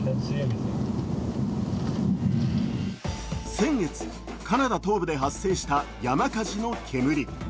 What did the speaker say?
先月、カナダ東部で発生した山火事の煙。